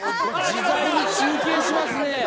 自在に中継しますね。